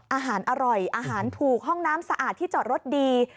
อาหารอร่อยอาหารถูกห้องน้ำสะอาดที่จอดรถดี